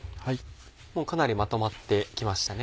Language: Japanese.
もうかなりまとまって来ましたね。